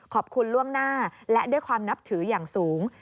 ล่วงหน้าและด้วยความนับถืออย่างสูง